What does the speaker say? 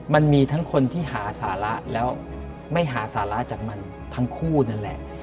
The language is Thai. มันมีทั้งคนที่หาสาระแล้วไม่หาสาระจากมันทั้งคู่นั่นแหละ